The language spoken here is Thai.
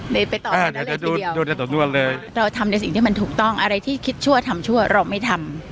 ไปต่อดูในสำนวนเลยเราทำในสิ่งที่มันถูกต้องอะไรที่คิดชั่วทำชั่วเราไม่ทำ